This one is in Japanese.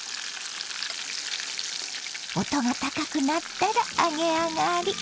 音が高くなったら揚げ上がり。